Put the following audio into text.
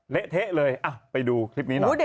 เละเทะเลยไปดูคลิปนี้หน่อย